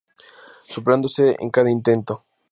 Superándose en cada intento.